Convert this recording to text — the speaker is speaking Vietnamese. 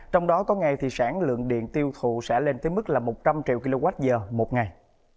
trong đó có ngày thì sản lượng điện tiêu thụ sẽ lên tới mức là một trăm linh triệu kwh một ngày